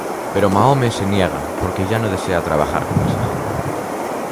Pero Mahone se niega porque, ya no desea trabajar con esa gente.